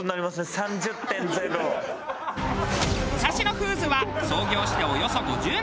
武蔵野フーズは創業しておよそ５０年。